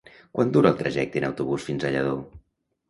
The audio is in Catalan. Quant dura el trajecte en autobús fins a Lladó?